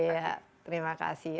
iya terima kasih